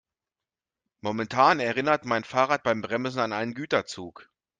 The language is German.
Momentan erinnert mein Fahrrad beim Bremsen an einen Güterzug.